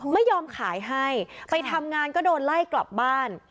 ไม่ยอมขายให้ไปทำงานก็โดนไล่กลับบ้าน